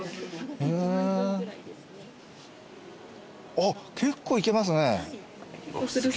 あっ結構いけますね。